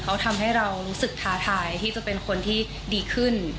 เขาทำให้เรารู้สึกท้าทายที่จะเป็นคนที่ดีขึ้น